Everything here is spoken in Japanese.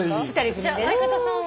じゃあ相方さんは。